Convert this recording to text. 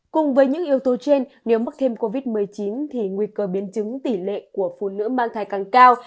cùng với những yếu tố trên nếu mắc thêm covid một mươi chín thì nguy cơ biến chứng tỷ lệ của phụ nữ mang thai càng cao